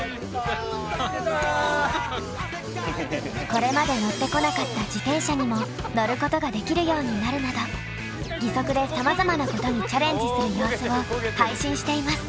これまで乗ってこなかった自転車にも乗ることができるようになるなど義足でさまざまなことにチャレンジする様子を配信しています。